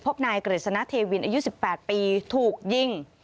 พบนายกฤษณะเทวินอายุ๑๘ปีถูกยิง